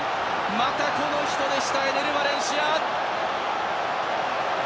またこの人でしたエネル・バレンシア！